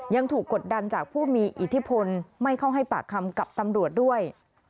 ยังถูกกดดันจากผู้มีอิทธิพลไม่เข้าให้ปากคำกับตำรวจด้วย